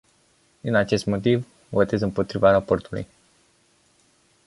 Din acest motiv, votez împotriva raportului.